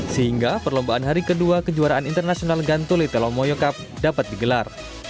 sehingga perlombaan hari kedua kejuaraan internasional gantuli telomoyo cup dapat digelar